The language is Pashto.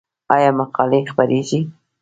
آیا مقالې خپریږي؟